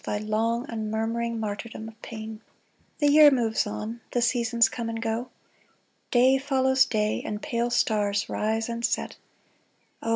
Thy long, unmurmuring martyrdom of pain ! The year moves on ; the seasons come and go ; Day follows day, and pale stars rise and set ; Oh